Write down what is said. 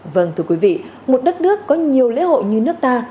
vâng thưa quý vị một đất nước có nhiều lễ hội như nước ta